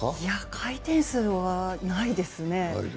回転数はないですね。